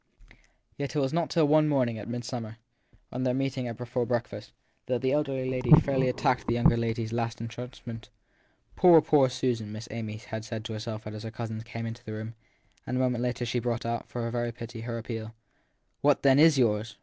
YET it was not till one morning at midsummer, on their meeting for breakfast, that the elder lady fairly attacked the THE THIED PERSON 273 younger s last entrenchment. Poor, poor Susan ! Miss Amy had said to herself as her cousin came into the room ; and a moment later she brought out, for very pity, her appeal. < What then is yours